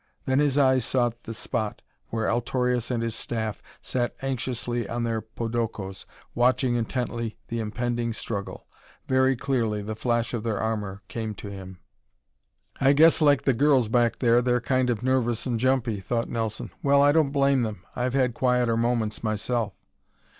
Then his eyes sought that spot where Altorius and his staff sat anxiously on their podokos, watching intently the impending struggle. Very clearly the flash of their armor came to him. "I guess, like the girls back there, they're kind of nervous and jumpy," thought Nelson. "Well, I don't blame them. I've had quieter moments myself."